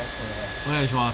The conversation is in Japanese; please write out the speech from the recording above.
お願いします。